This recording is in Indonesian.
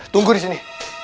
tunggu di sini